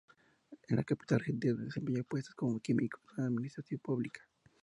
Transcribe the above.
En la capital argentina desempeñó puestos como químico en la administración pública.